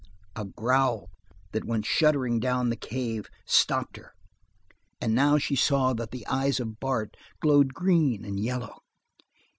A growl that went shuddering down the cave stopped her, and now she saw that the eyes of Bart glowed green and yellow.